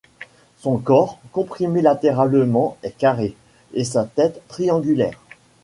Son corps, comprimé latéralement, est carré, et sa tête triangulaire.